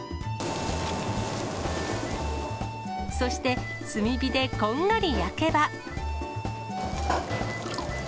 そして、炭火でこんがり焼けば。